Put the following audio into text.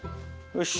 よし。